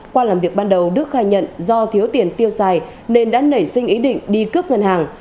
qua làm việc ban đầu đức khai nhận do thiếu tiền tiêu xài nên đã nảy sinh ý định đi cướp ngân hàng